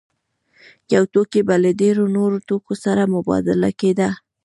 یو توکی به له ډېرو نورو توکو سره مبادله کېده